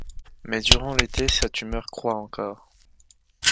Mais durant l'été sa tumeur croît encore.